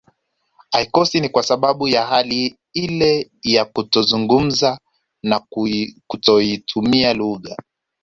Haikosi ni kwa sababu ya hali ile ya kutozungumza na kutoitumia lugha